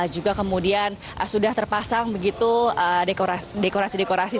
juga kemudian sudah terpasang begitu dekorasi dekorasi